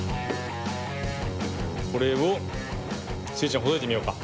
これをスイちゃんほどいてみようか。